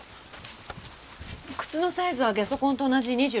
靴のサイズはゲソ痕と同じ２６センチ。